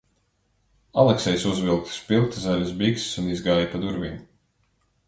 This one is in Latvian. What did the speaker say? Aleksejs uzvilka spilgti zaļas bikses un izgāja pa durvīm.